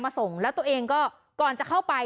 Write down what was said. ส่งแล้วตัวเองก็ก่อนจะเข้าไป